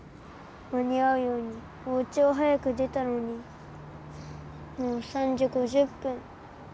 まにあうようにおうちを早く出たのにもう３じ５０ぷん。